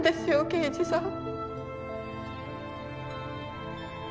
刑事さん。